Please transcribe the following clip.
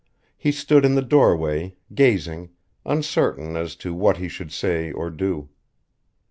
He stood in the doorway, gazing, uncertain as to what he should say or do.